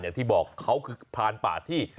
อย่างที่บอกเขาคือพรานป่าที่